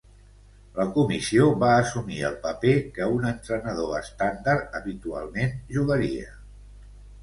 La Comissió va assumir el paper que un entrenador estàndard habitualment jugaria.